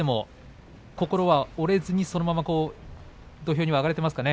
心は折れずに土俵に上がれていますね？